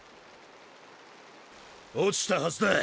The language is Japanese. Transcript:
落ちたはずだ